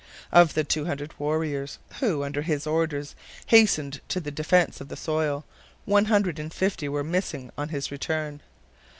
Of the two hundred warriors who, under his orders, hastened to the defence of the soil, one hundred and fifty were missing on his return.